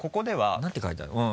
何て書いてある？